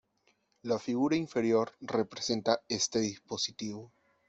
La figura inferior representa este dispositivo.